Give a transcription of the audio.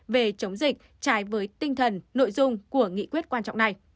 về chống dịch trái với tinh thần nội dung của nghị quyết quan trọng này